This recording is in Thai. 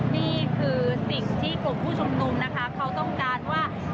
นี่คือสิ่งที่กลุ่มผู้ชุมนุมนะคะเขาต้องการว่า